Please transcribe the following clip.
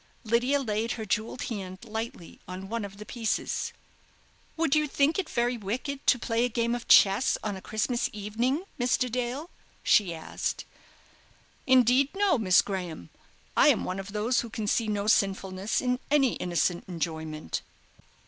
Lydia laid her jewelled hand lightly on one of the pieces. "Would you think it very wicked to play a game of chess on a Christmas evening, Mr. Dale?" she asked. "Indeed, no, Miss Graham. I am one of those who can see no sinfulness in any innocent enjoyment."